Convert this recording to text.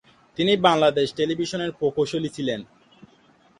তিনি বাংলাদেশ টেলিভিশনের প্রকৌশলী ছিলেন।